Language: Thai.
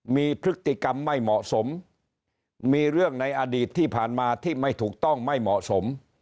มีพฤติกรรมไม่เหมาะสมมีเรื่องในอดีตที่ผ่านมาที่ไม่ถูกต้องไม่เหมาะสม